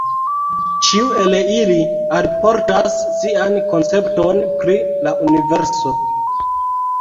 Ĉiu el ili alportas sian koncepton pri la universo.